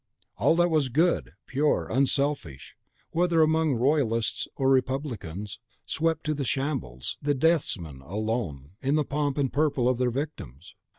All that was good, pure, unselfish, whether among Royalists or Republicans, swept to the shambles, and the deathsmen left alone in the pomp and purple of their victims!